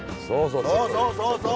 そうそうそうそう！